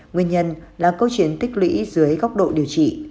nguyên nhân là câu chuyện tích lũy dưới góc độ điều trị